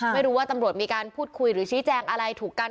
ไม่รู้ว่าตำรวจมีการพูดคุยหรือชี้แจงอะไรถูกกัน